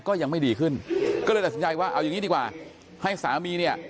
ก็ยังไม่ดีขึ้นก็เลยตัดสินใจว่าเอาอย่างนี้ดีกว่าให้สามีเนี่ย